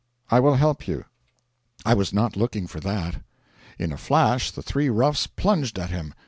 I will help you.' I was not looking for that. In a flash the three roughs plunged at him.